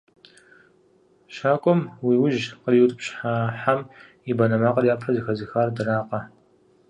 - Щакӏуэм уи ужь къриутӏыпщхьа хьэм и банэ макъыр япэ зэхэзыхар дэракъэ!